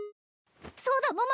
そうだ桃！